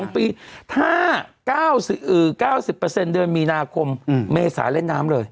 ๒ปีถ้า๙๐เดือนมีนาคมเมษาเล่นน้ำเลย